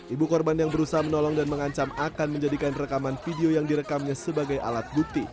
ibu korban yang berusaha menolong dan mengancam akan menjadikan rekaman video yang direkamnya sebagai alat bukti